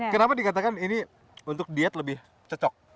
kenapa dikatakan ini untuk diet lebih cocok